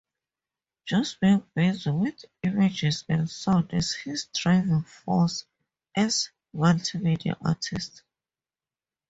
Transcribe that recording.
Just being busy with images and sound is his driving force as multimedia artist.